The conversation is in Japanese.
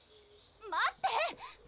・待って！